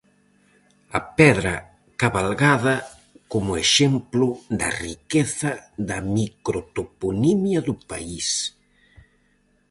A Pedra Cabalgada como exemplo da riqueza da microtoponimia do país.